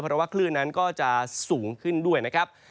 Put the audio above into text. เพราะว่าคลื่นนั้นก็จะสูงขึ้นด้วยนะครับ